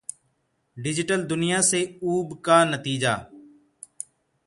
digital दुनिया से ऊब का नतीजा